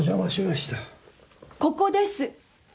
ここです。